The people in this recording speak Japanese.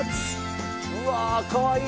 うわあかわいい！